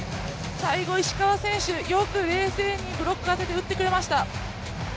最後石川選手、よく冷静にブロックを当てて、打ってくれました。